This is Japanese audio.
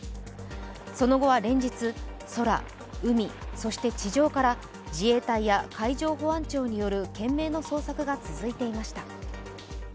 その後は連日、空、海、そして地上から自衛隊や海上保安庁による懸命の捜索が続いていました。